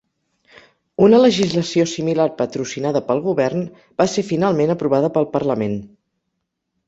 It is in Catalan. Una legislació similar patrocinada pel govern va ser finalment aprovada pel Parlament.